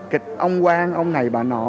kịch ông quang ông này bà nọ